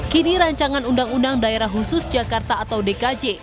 kini rancangan undang undang daerah khusus jakarta atau dkj